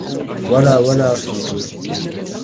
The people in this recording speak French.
Voilà! voilà ! fit Joe.